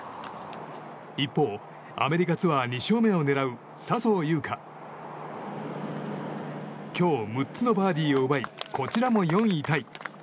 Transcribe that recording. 一方、アメリカツアー２勝目を狙う笹生優花。今日６つのバーディーを奪いこちらも４位タイ。